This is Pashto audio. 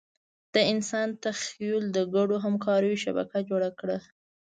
د انسان تخیل د ګډو همکاریو شبکه جوړه کړه.